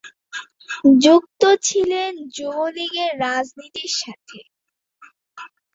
যুক্ত ছিলেন যুব লীগের রাজনীতির সাথে।